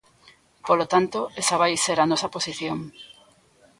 Polo tanto, esa vai ser a nosa posición.